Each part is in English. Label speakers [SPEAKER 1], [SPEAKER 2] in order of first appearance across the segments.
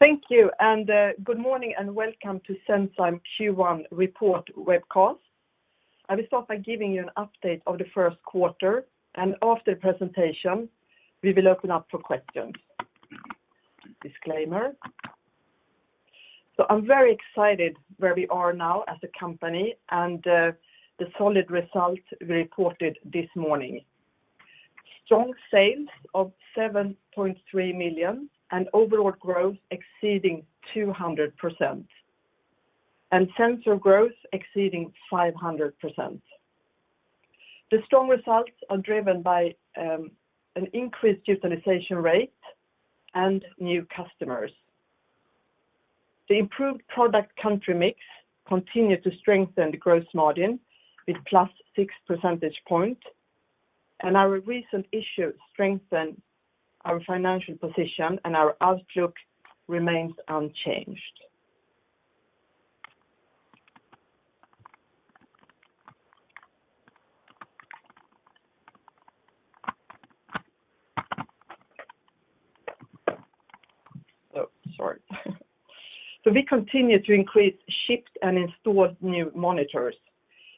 [SPEAKER 1] Thank you and good morning and welcome to Senzime Q1 report webcast. I will start by giving you an update of the first quarter and after the presentation, we will open up for questions. Disclaimer. I'm very excited where we are now as a company and the solid results we reported this morning. Strong sales of 7.3 million and overall growth exceeding 200% and sensor growth exceeding 500%. The strong results are driven by an increased utilization rate and new customers. The improved product country mix continued to strengthen the growth margin with +6 percentage point. Our recent issue strengthened our financial position and our outlook remains unchanged. Oh, sorry. We continue to increase shipped and installed new monitors.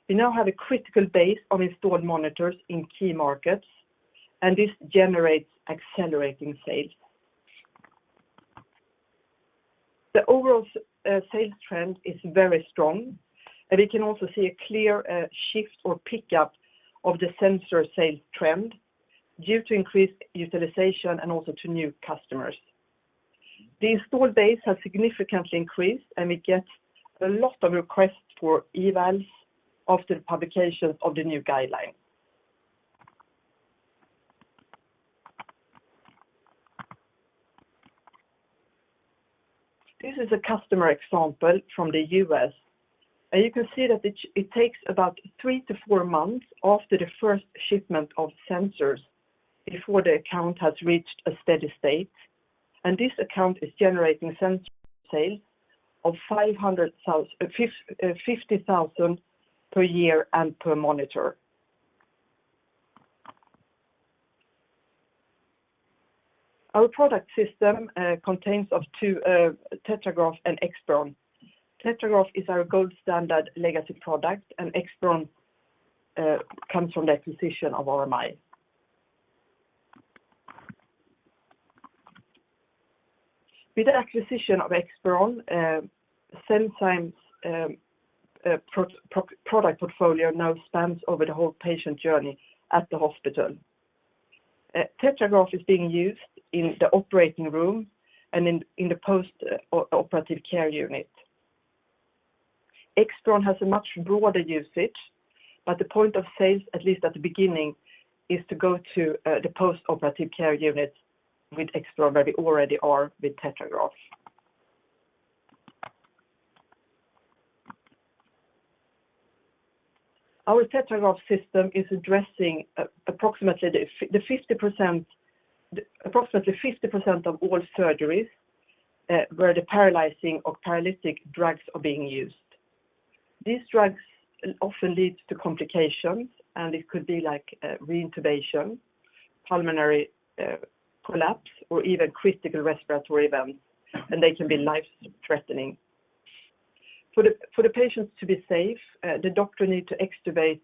[SPEAKER 1] We now have a critical base of installed monitors in key markets, and this generates accelerating sales. The overall sales trend is very strong, and we can also see a clear shift or pickup of the sensor sales trend due to increased utilization and also to new customers. The installed base has significantly increased, and we get a lot of requests for evals after the publication of the new guideline. This is a customer example from the U.S., and you can see that it takes about three to four months after the first shipment of sensors before the account has reached a steady state. This account is generating sensor sales of 50,000 per year and per monitor. Our product system contains of two, TetraGraph and ExSpiron. TetraGraph is our gold standard legacy product, and ExSpiron comes from the acquisition of RMI. With the acquisition of ExSpiron, Senzime's product portfolio now spans over the whole patient journey at the hospital. TetraGraph is being used in the operating room and in the post-operative care unit. ExSpiron has a much broader usage, but the point of sales, at least at the beginning, is to go to the post-operative care unit with ExSpiron where we already are with TetraGraph. Our TetraGraph system is addressing approximately 50% of all surgeries where the paralyzing or paralytic drugs are being used. These drugs often lead to complications, and it could be like, re-intubation, pulmonary collapse, or even critical respiratory events, and they can be life-threatening. For the patients to be safe, the doctor need to extubate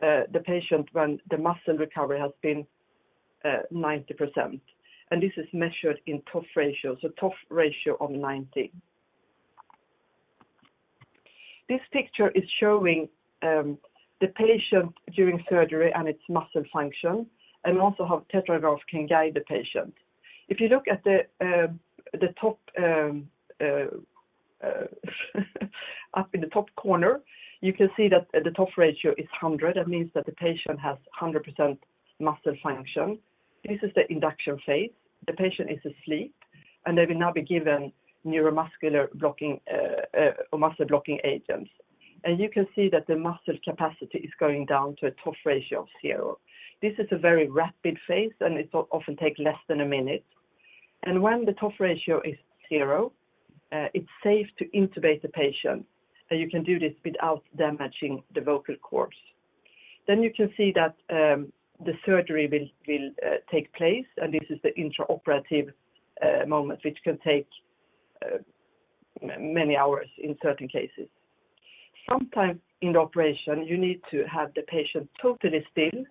[SPEAKER 1] the patient when the muscle recovery has been 90%. This is measured in TOF ratio, so TOF ratio of 90. This picture is showing the patient during surgery and its muscle function, and also how TetraGraph can guide the patient. If you look at the top up in the top corner, you can see that the TOF ratio is 100. That means that the patient has 100% muscle function. This is the induction phase. The patient is asleep, and they will now be given neuromuscular blocking or muscle blocking agents. You can see that the muscle capacity is going down to a TOF ratio of 0. This is a very rapid phase, and it often take less than a minute. When the TOF ratio is 0, it's safe to intubate the patient, and you can do this without damaging the vocal cords. You can see that the surgery will take place, and this is the intraoperative moment, which can take many hours in certain cases. Sometimes in the operation, you need to have the patient totally still,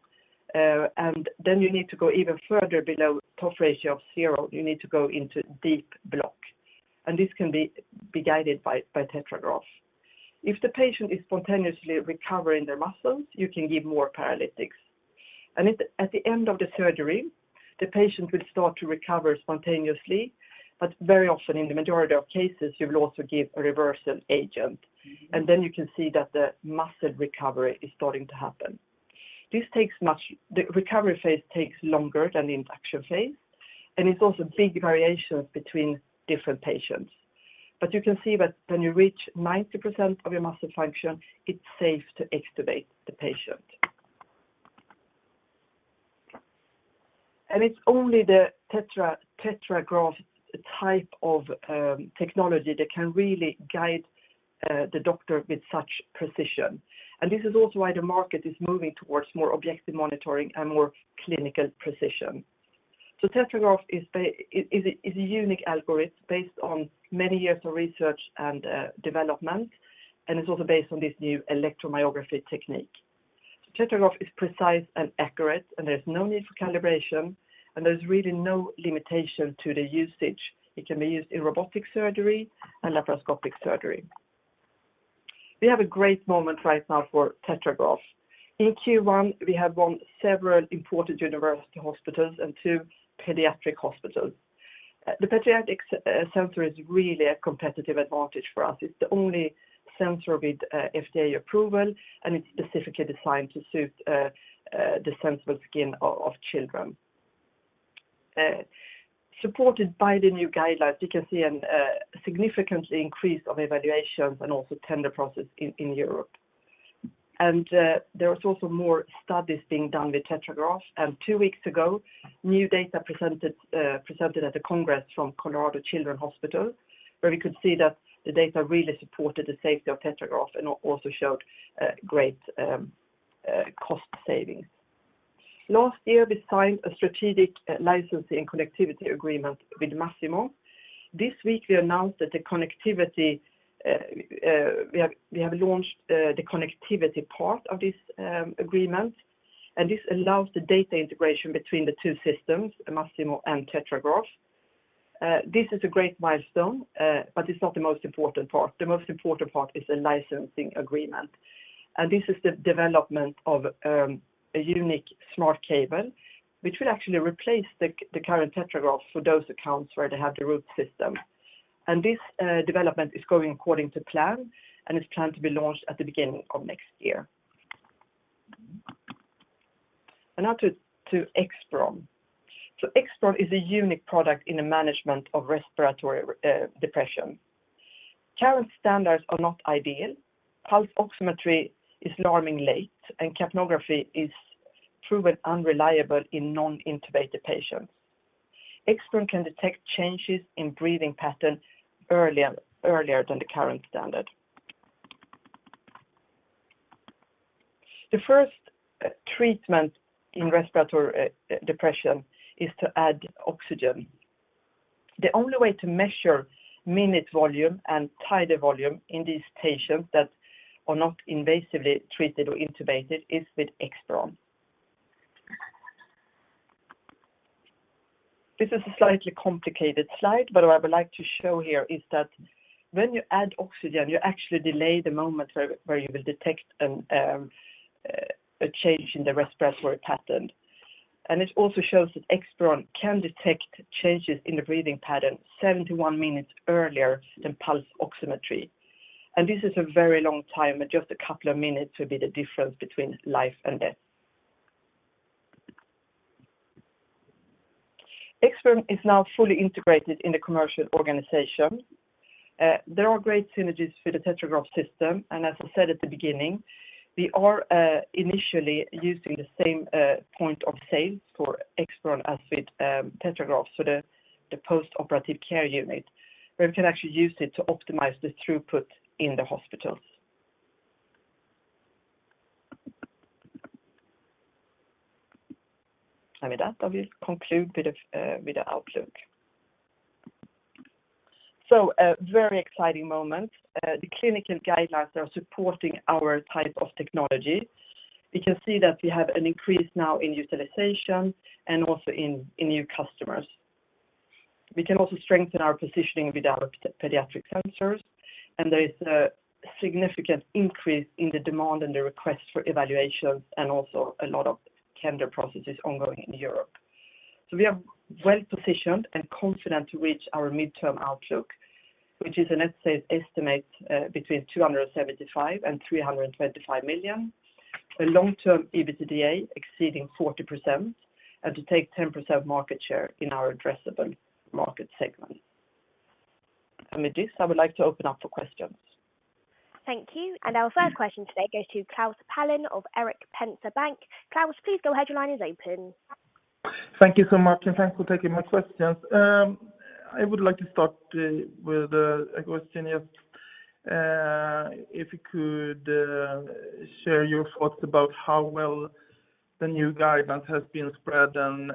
[SPEAKER 1] you need to go even further below TOF ratio of 0. You need to go into deep block, this can be guided by TetraGraph. If the patient is spontaneously recovering their muscles, you can give more paralytics. At the end of the surgery, the patient will start to recover spontaneously, but very often in the majority of cases, you will also give a reversal agent. You can see that the muscle recovery is starting to happen. This takes the recovery phase takes longer than the induction phase, and it's also big variations between different patients. You can see that when you reach 90% of your muscle function, it's safe to extubate the patient. It's only the TetraGraph type of technology that can really guide the doctor with such precision. This is also why the market is moving towards more objective monitoring and more clinical precision. TetraGraph is a unique algorithm based on many years of research and development, and it's also based on this new electromyography technique. TetraGraph is precise and accurate. There's no need for calibration. There's really no limitation to the usage. It can be used in robotic surgery and laparoscopic surgery. We have a great moment right now for TetraGraph. In Q1, we have won several important university hospitals and two pediatric hospitals. The pediatric sensor is really a competitive advantage for us. It's the only sensor with FDA approval, and it's specifically designed to suit the sensible skin of children. Supported by the new guidelines, we can see an significantly increase of evaluations and also tender process in Europe. There is also more studies being done with TetraGraph. Two weeks ago, new data presented at the congress from Colorado Children's Hospital, where we could see that the data really supported the safety of TetraGraph and also showed great cost savings. Last year, we signed a strategic licensing connectivity agreement with Masimo. This week, we announced that the connectivity, we have launched the connectivity part of this agreement, and this allows the data integration between the two systems, Masimo and TetraGraph. This is a great milestone, it's not the most important part. The most important part is the licensing agreement. This is the development of a unique smart cable, which will actually replace the current TetraGraph for those accounts where they have the Root system. This development is going according to plan, and it's planned to be launched at the beginning of next year. Now to ExSpiron. ExSpiron is a unique product in the management of respiratory depression. Current standards are not ideal. Pulse oximetry is alarmingly late, and capnography is proven unreliable in non-intubated patients. ExSpiron can detect changes in breathing pattern earlier than the current standard. The first treatment in respiratory depression is to add oxygen. The only way to measure minute volume and tidal volume in these patients that are not invasively treated or intubated is with ExSpiron. This is a slightly complicated slide, but what I would like to show here is that when you add oxygen, you actually delay the moment where you will detect a change in the respiratory pattern. It also shows that ExSpiron can detect changes in the breathing pattern 71 minutes earlier than pulse oximetry. This is a very long time, and just a couple of minutes will be the difference between life and death. ExSpiron is now fully integrated in the commercial organization. There are great synergies for the TetraGraph system. As I said at the beginning, we are initially using the same point of sales for ExSpiron as with TetraGraph, so the post-operative care unit, where we can actually use it to optimize the throughput in the hospitals. With that, I will conclude with the outlook. A very exciting moment. The clinical guidelines are supporting our type of technology. We can see that we have an increase now in utilization and also in new customers. We can also strengthen our positioning with our pediatric sensors, and there is a significant increase in the demand and the request for evaluations and also a lot of tender processes ongoing in Europe. We are well-positioned and confident to reach our midterm outlook, which is a net sales estimate, between 275 million and 325 million, a long-term EBITDA exceeding 40%, and to take 10% market share in our addressable market segment. With this, I would like to open up for questions.
[SPEAKER 2] Thank you. Our first question today goes to Klas Palin of Erik Penser Bank. Klas, please go ahead. Your line is open.
[SPEAKER 3] Thank you so much. Thanks for taking my questions. I would like to start with a question if you could share your thoughts about how well the new guidance has been spread and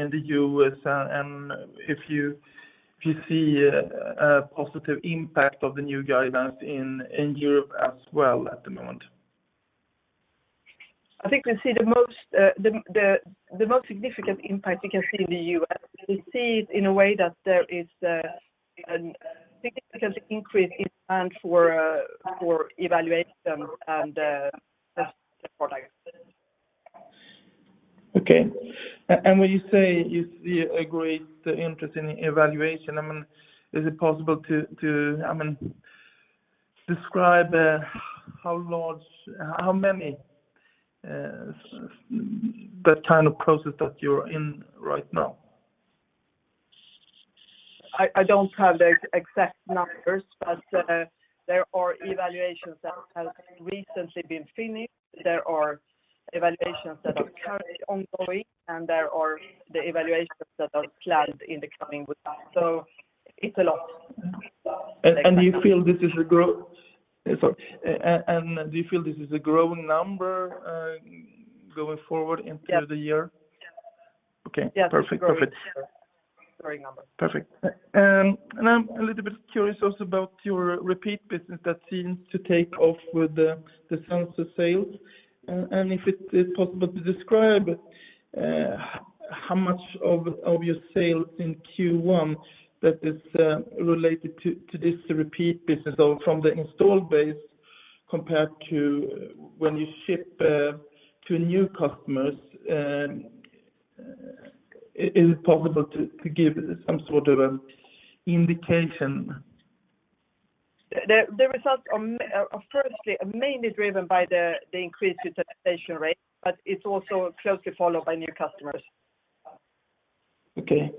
[SPEAKER 3] in the U.S. and if you see a positive impact of the new guidance in Europe as well at the moment.
[SPEAKER 1] I think we see the most, the most significant impact we can see in the U.S. We see it in a way that there is an significant increase in demand for evaluation and the product.
[SPEAKER 3] Okay. When you say you see a great interest in evaluation, I mean, is it possible to, I mean, describe, how many, the kind of process that you're in right now?
[SPEAKER 1] I don't have the exact numbers, but there are evaluations that have recently been finished. There are evaluations that are currently ongoing, and there are the evaluations that are planned in the coming weeks. It's a lot.
[SPEAKER 3] Do you feel this is a growing number, going forward into the year?
[SPEAKER 1] Yes.
[SPEAKER 3] Okay.
[SPEAKER 1] Yes.
[SPEAKER 3] Perfect. Perfect.
[SPEAKER 1] Growing number.
[SPEAKER 3] Perfect. I'm a little bit curious also about your repeat business that seems to take off with the sensor sales. If it is possible to describe how much of your sales in Q1 that is related to this repeat business or from the install base compared to when you ship to new customers. Is it possible to give some sort of an indication?
[SPEAKER 1] The results are mainly driven by the increased utilization rate. It's also closely followed by new customers.
[SPEAKER 3] Okay.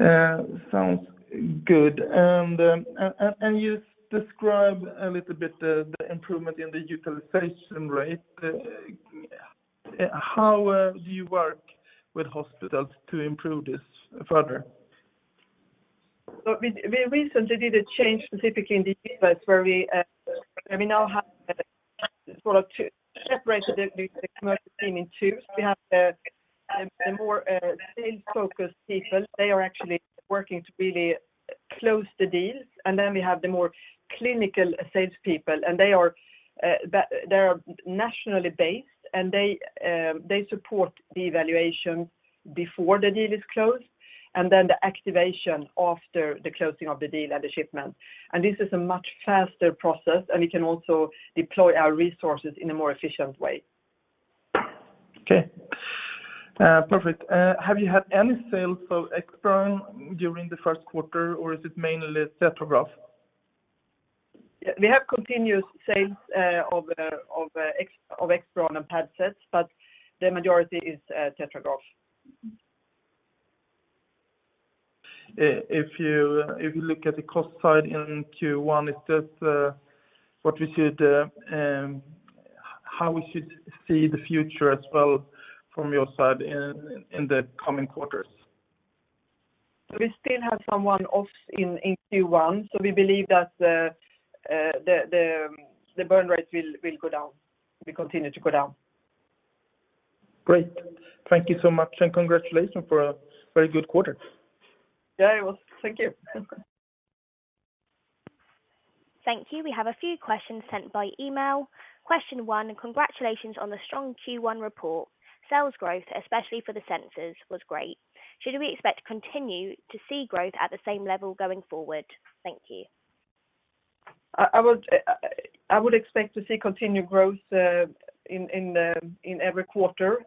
[SPEAKER 3] sounds good. You describe a little bit the improvement in the utilization rate. How do you work with hospitals to improve this further?
[SPEAKER 1] We recently did a change specifically in the business where we now have separated the commercial team in two. We have the more sales-focused people. They are actually working to really close the deals. Then we have the more clinical salespeople, and they are nationally based, and they support the evaluation before the deal is closed, and then the activation after the closing of the deal and the shipment. This is a much faster process, and we can also deploy our resources in a more efficient way.
[SPEAKER 3] Okay. Perfect. Have you had any sales of ExSpiron during the first quarter, or is it mainly TetraGraph?
[SPEAKER 1] We have continuous sales of ExSpiron and PadSet, but the majority is TetraGraph.
[SPEAKER 3] If you look at the cost side in Q1, is that what we should how we should see the future as well from your side in the coming quarters?
[SPEAKER 1] We still have some one-offs in Q1, so we believe that the burn rate will go down, will continue to go down.
[SPEAKER 3] Great. Thank you so much. Congratulations for a very good quarter.
[SPEAKER 1] Very well. Thank you.
[SPEAKER 2] Thank you. We have a few questions sent by email. Question one, congratulations on the strong Q1 report. Sales growth, especially for the sensors, was great. Should we expect to continue to see growth at the same level going forward? Thank you.
[SPEAKER 1] I would expect to see continued growth in every quarter.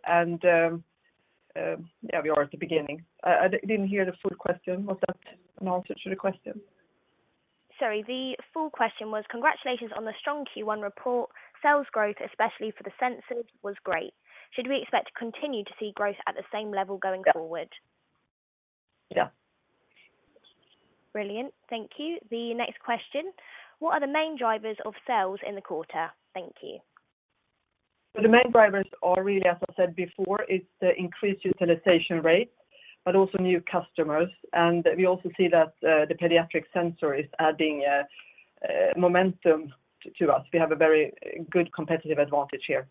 [SPEAKER 1] Yeah, we are at the beginning. I didn't hear the full question. Was that an answer to the question?
[SPEAKER 2] Sorry. The full question was congratulations on the strong Q1 report. Sales growth, especially for the sensors, was great. Should we expect to continue to see growth at the same level going forward?
[SPEAKER 1] Yeah.
[SPEAKER 2] Brilliant. Thank you. The next question, what are the main drivers of sales in the quarter? Thank you.
[SPEAKER 1] The main drivers are really, as I said before, it's the increased utilization rate, but also new customers. We also see that the pediatric sensor is adding momentum to us. We have a very good competitive advantage here.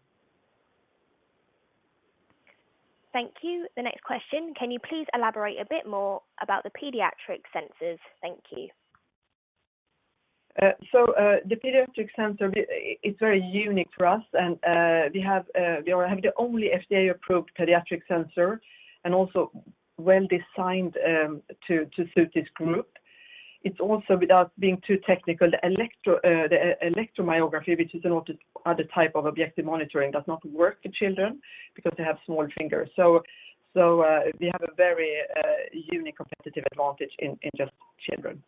[SPEAKER 2] Thank you. The next question, can you please elaborate a bit more about the pediatric sensors? Thank you.
[SPEAKER 1] The pediatric sensor is very unique for us and we have the only FDA-approved pediatric sensor and also well designed to suit this group. It's also, without being too technical, the electromyography, which is an other type of objective monitoring, does not work for children because they have small fingers. We have a very unique competitive advantage in just children.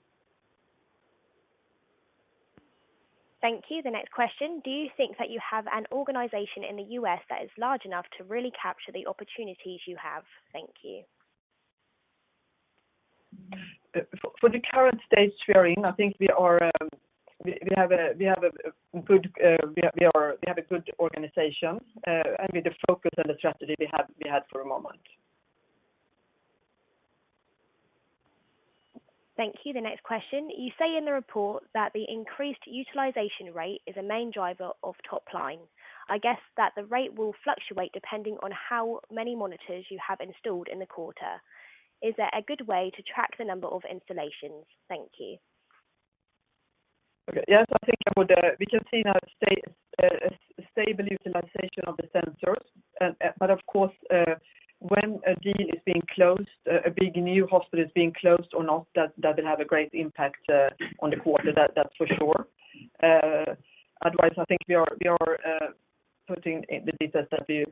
[SPEAKER 2] Thank you. The next question, do you think that you have an organization in the U.S. that is large enough to really capture the opportunities you have? Thank you.
[SPEAKER 1] For the current stage we are in, I think we are, we have a good organization. With the focus and the strategy we have, we had for a moment.
[SPEAKER 2] Thank you. The next question, you say in the report that the increased utilization rate is a main driver of top line. I guess that the rate will fluctuate depending on how many monitors you have installed in the quarter. Is there a good way to track the number of installations? Thank you.
[SPEAKER 1] Okay. Yes, I think I would, we can see now a stable utilization of the sensors. Of course, when a deal is being closed, a big new hospital is being closed or not, that doesn't have a great impact on the quarter. That's for sure. Otherwise, I think we are putting the details that we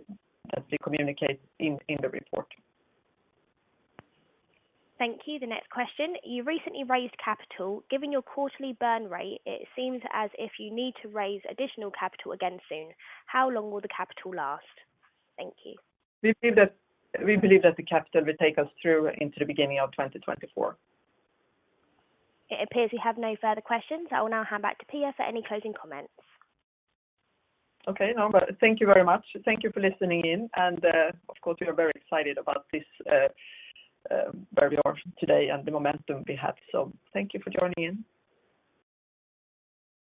[SPEAKER 1] communicate in the report.
[SPEAKER 2] Thank you. The next question, you recently raised capital. Given your quarterly burn rate, it seems as if you need to raise additional capital again soon. How long will the capital last? Thank you.
[SPEAKER 1] We believe that the capital will take us through into the beginning of 2024.
[SPEAKER 2] It appears we have no further questions. I will now hand back to Pia for any closing comments.
[SPEAKER 1] Okay. No, thank you very much. Thank you for listening in and, of course, we are very excited about this, where we are today and the momentum we have. Thank you for joining in.